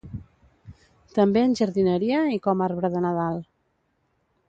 També en jardineria i com arbre de Nadal.